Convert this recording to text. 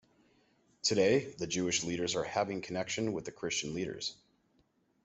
Today the Jewish leaders are having connection with the Christian leaders.